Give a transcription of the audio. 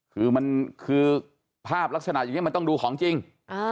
คือมันคือภาพลักษณะอย่างนี้มันต้องดูของจริง